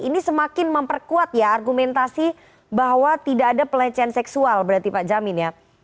ini semakin memperkuat ya argumentasi bahwa tidak ada pelecehan seksual berarti pak jamin ya